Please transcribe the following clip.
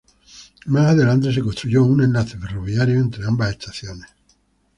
Más adelante se construyó un enlace ferroviario entre ambas estaciones.